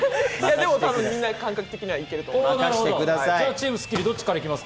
でもみんな感覚的に行けると思います。